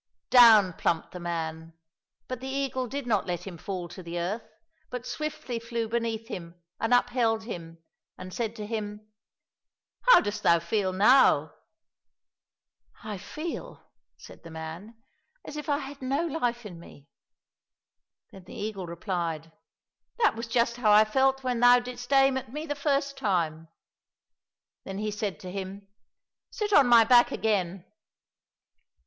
Down plumped the man ; but the eagle did not let him fall to the earth, but swiftly flew beneath him and upheld him, and said to him, " How dost thou feel now ?"—" I feel," said the man, " as if I had no life in me." — Then the eagle replied, " That was just how I felt when thou didst aim at me the first time." Then he said to him, " Sit on my back again